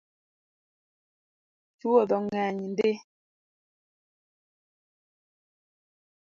Chwodho ng’eny ndii